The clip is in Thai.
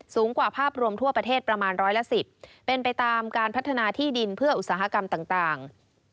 สูงกว่าภาพรวมทั่วประเทศประมาณร้อยละ๑๐เป็นไปตามการพัฒนาที่ดินเพื่ออุตสาหกรรมต่าง